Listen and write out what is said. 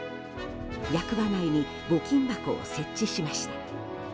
役場内に募金箱を設置しました。